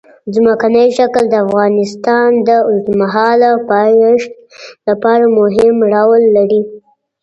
ځمکنی شکل د افغانستان د اوږدمهاله پایښت لپاره مهم رول لري.